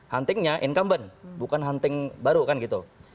huntingnya incumbent bukan hunting baru kan gitu